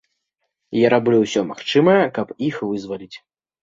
Я раблю ўсё магчымае, каб іх вызваліць.